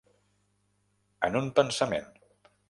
En un pensament.